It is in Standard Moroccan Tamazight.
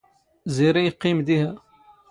ⵣⵉⵔⵉ ⵉⵇⵇⵉⵎ ⴷⵉⵀⴰ.